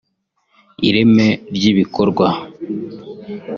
ireme ry’ibikorwa